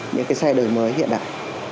những cái xe đời mới hiện đại